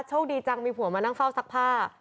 โชคดีจังมีผัวมานั่งเฝ้าซักผ้า